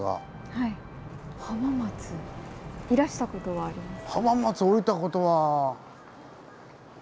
浜松いらしたことはありますか？